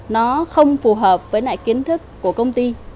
nó không phù hợp với lại kiến thức của công ty